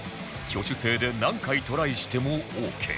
挙手制で何回トライしてもオーケー